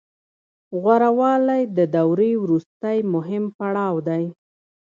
غوره والی د دورې وروستی مهم پړاو دی